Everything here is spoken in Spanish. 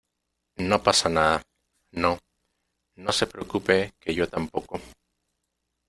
no pasa nada. no, no se preocupe que yo tampoco